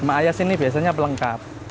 sama ayas ini biasanya pelengkap